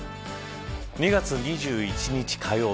２月２１日火曜日